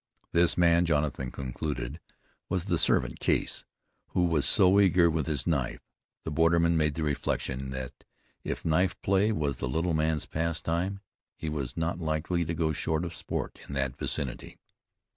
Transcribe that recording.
This man, Jonathan concluded, was the servant, Case, who was so eager with his knife. The borderman made the reflection, that if knife play was the little man's pastime, he was not likely to go short of sport in that vicinity.